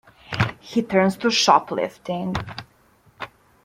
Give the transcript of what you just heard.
He turns to shoplifting.